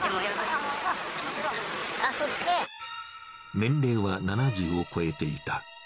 年齢は７０を超えていた。